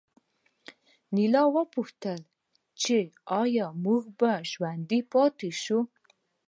انیلا وپوښتل چې ایا موږ به ژوندي پاتې شو